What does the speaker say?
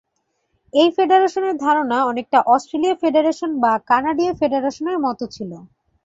এই ফেডারেশনের ধারণা অনেকটা অস্ট্রেলীয় ফেডারেশন বা কানাডীয় ফেডারেশনের মত ছিল।